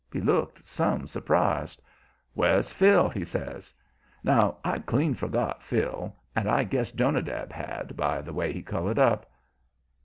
He looked some surprised. "Where's Phil?" he says. Now, I'd clean forgot Phil and I guess Jonadab had, by the way he colored up.